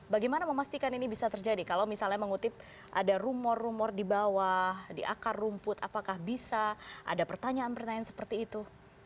bagaimana memastikan ini bisa terjadi kalau misalnya mengutip ada rumor rumor di bawah di akar rumput apakah bisa ada pertanyaan pertanyaan seperti itu